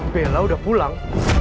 bella udah pulang